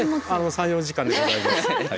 ３４時間でございます。